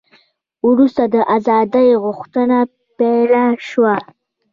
وروسته د ازادۍ غوښتنه پیل شوه.